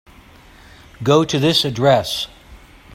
Go to this address.